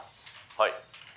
「はい。